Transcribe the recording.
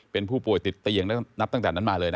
เป็นผู้ป่วยติดเตียงแล้วนับตั้งแต่นั้นมาเลยนะ